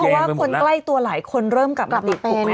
เพราะว่าคนใกล้ตัวหลายคนเริ่มกลับมาติดโควิด